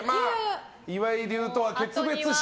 岩井流とは決裂し。